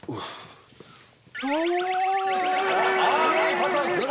パターンですね